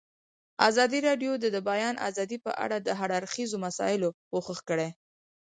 ازادي راډیو د د بیان آزادي په اړه د هر اړخیزو مسایلو پوښښ کړی.